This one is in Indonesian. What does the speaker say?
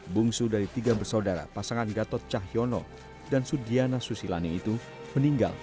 bungsu dari tiga bersaudara pasangan gatot cahyono dan sudiana susilani itu meninggal